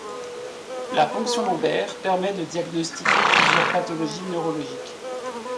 La ponction lombaire permet de diagnostiquer plusieurs pathologies neurologiques.